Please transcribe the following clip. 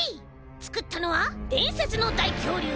つくったのはでんせつのだいきょうりゅう。